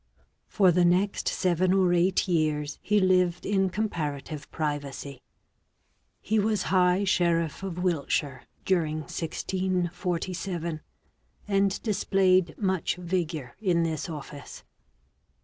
For the next seven or eight years he lived in com parative privacy. He was high sheriff of Wiltshire during 1647, and displayed much vigour in this office.